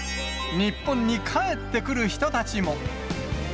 日本に帰ってくる人たちも。